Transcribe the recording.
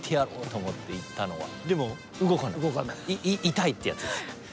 痛いってやつです。